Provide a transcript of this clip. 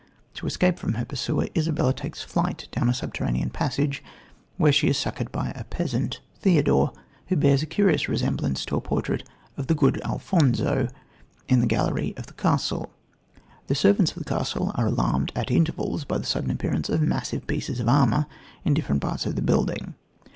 To escape from her pursuer, Isabella takes flight down a "subterraneous passage," where she is succoured by a "peasant" Theodore, who bears a curious resemblance to a portrait of the "good Alfonso" in the gallery of the castle. The servants of the castle are alarmed at intervals by the sudden appearance of massive pieces of armour in different parts of the building.